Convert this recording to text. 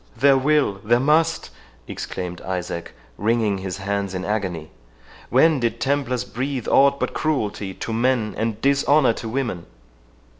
"There will, there must!" exclaimed Isaac, wringing his hands in agony; "when did Templars breathe aught but cruelty to men, and dishonour to women!"